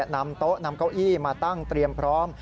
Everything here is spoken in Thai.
นำโต๊ะนำเก้าอี้มาตั้งเตรียมพร้อม